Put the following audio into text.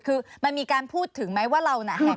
คือมันมีการพูดถึงไหมว่าเราน่ะ